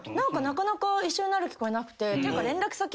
なかなか一緒になる機会なくて。